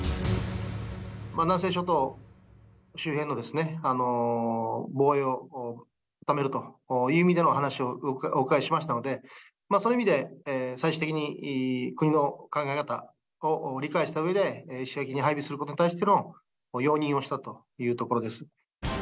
南西諸島周辺の防衛を高めるという意味での話をお伺いしましたので、その意味で、最終的に国の考え方を理解したうえで、石垣に配備することに対しての容認をしたというところです。